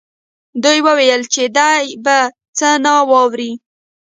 دوی ویل چې دی به څه نه واوري